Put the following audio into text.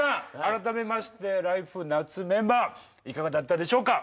改めまして「ＬＩＦＥ！夏」メンバーいかがだったでしょうか？